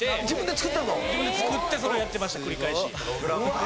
自分で作ってそれをやってました繰り返し。